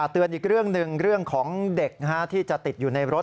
เตือนอีกเรื่องหนึ่งเรื่องของเด็กที่จะติดอยู่ในรถ